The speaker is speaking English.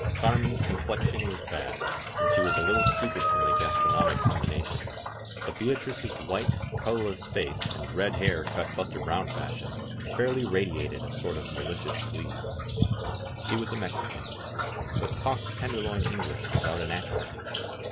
Car* men's complexion was bad, and she was a little stupid from the gastronomic combination, but Beatrice's white, colorless face and red hair cut Buster Brown fashion fairly radiated a sort of malicious glee. She was a Mexican, but talked Tenderloin English without an accent.